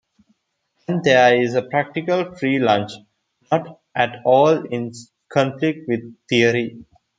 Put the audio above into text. And there is a practical free lunch, not at all in conflict with theory.